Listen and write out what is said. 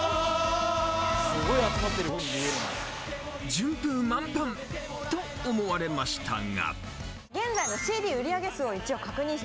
順風満帆と思われましたが。